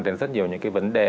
tới rất nhiều những cái vấn đề